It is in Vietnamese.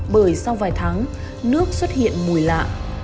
bởi sau vài tháng nước xuất hiện mùi lạ